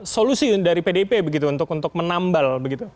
solusi dari pdip begitu untuk menambal begitu